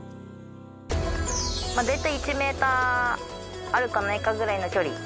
だいたい１ｍあるかないかくらいの距離。